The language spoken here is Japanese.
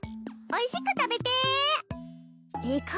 おいしく食べてええか？